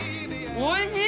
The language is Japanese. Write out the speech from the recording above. おいしい！